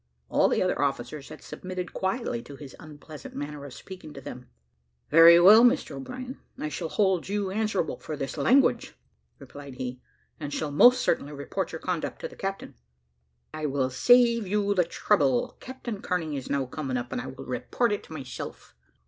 All the other officers had submitted quietly to his unpleasant manner of speaking to them. "Very well, Mr O'Brien; I shall hold you answerable for this language," replied he, "and shall most certainly report your conduct to the captain." "I will save you the trouble; Captain Kearney is now coming up, and I will report it myself."